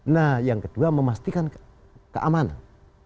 nah yang kedua memastikan keamanan